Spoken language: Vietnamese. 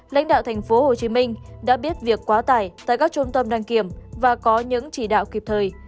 lãnh đạo tp hcm đã biết việc quá tải tại các trung tâm đăng kiểm và có những chỉ đạo kịp thời